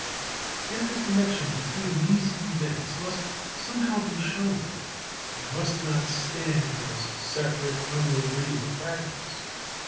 Yet the connection between these events must somehow be shown. They must not stand as separate, unrelated fragments.